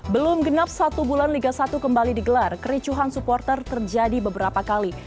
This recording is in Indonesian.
belum genap satu bulan liga satu kembali digelar kericuhan supporter terjadi beberapa kali